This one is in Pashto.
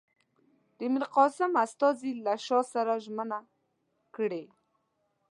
د میرقاسم استازي له شاه سره ژمنه کړې.